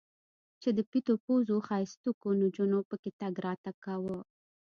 چې د پيتو پوزو ښايستوکو نجونو پکښې تګ راتګ کاوه.